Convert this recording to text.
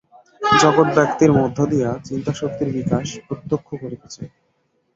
জগৎ ব্যক্তির মধ্য দিয়া চিন্তাশক্তির বিকাশ প্রত্যক্ষ করিতে চায়।